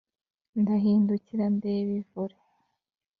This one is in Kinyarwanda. Ndahindukira ndeba ivure